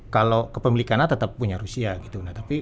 kalau kepemilikan tetap punya rusia gitu nah tapi